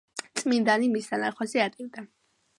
წმინდანი მის დანახვაზე ატირდა.